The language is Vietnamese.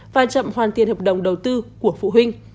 và chậm hoàn tiền hợp đồng đầu tư của phụ huynh